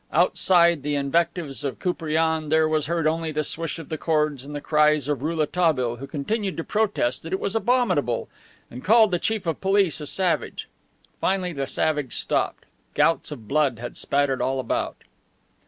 Outside the invectives of Koupriane there was heard only the swish of the cords and the cries of Rouletabille, who continued to protest that it was abominable, and called the Chief of Police a savage. Finally the savage stopped. Gouts of blood had spattered all about.